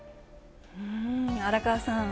荒川さん。